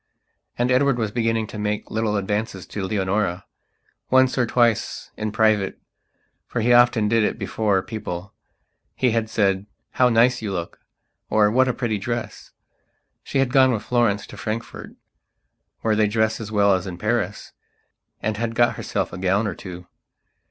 And Edward was beginning to make little advances to Leonora. Once or twice, in privatefor he often did it before peoplehe had said: "How nice you look!" or "What a pretty dress!" She had gone with Florence to Frankfurt, where they dress as well as in Paris, and had got herself a gown or two.